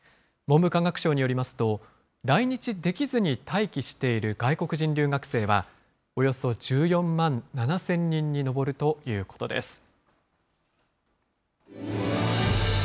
文部科学省によりますと、来日できずに待機している外国人留学生は、およそ１４万７０００人に上るということです。